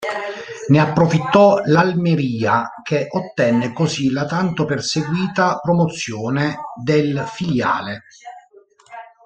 Ne approfittò l'Almería, che ottenne così la tanto perseguita promozione del filiale.